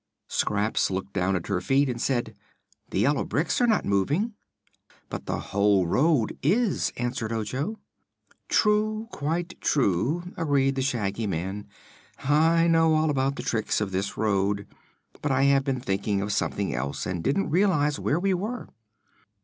Scraps looked down at her feet and said: "The yellow bricks are not moving." "But the whole road is," answered Ojo. "True; quite true," agreed the Shaggy Man. "I know all about the tricks of this road, but I have been thinking of something else and didn't realize where we were."